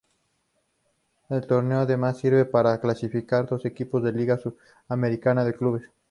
El torneo además sirve para clasificar dos equipos a la Liga Sudamericana de Clubes.